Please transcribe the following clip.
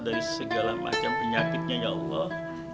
dari segala macam penyakitnya ya allah